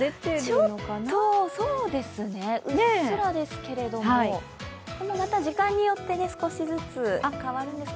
うっすらですけれども、また時間によって少しずつ変わるんですが。